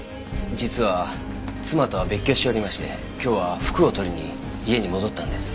実は妻とは別居しておりまして今日は服を取りに家に戻ったんです。